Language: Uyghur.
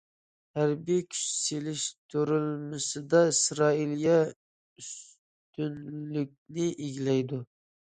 ھەربىي كۈچ سېلىشتۇرمىسىدا ئىسرائىلىيە ئۈستۈنلۈكنى ئىگىلەيدۇ.